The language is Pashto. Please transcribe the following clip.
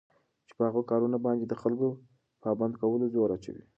چې په هغو كارونو باندي دخلكوپه پابند كولو زور اچوي